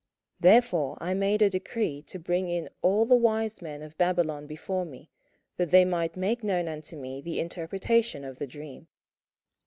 27:004:006 Therefore made I a decree to bring in all the wise men of Babylon before me, that they might make known unto me the interpretation of the dream.